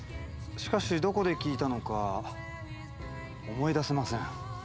しかしどこで聞いたのか思い出せません。